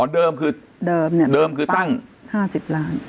เดิมคือตั้ง๕๐ล้าน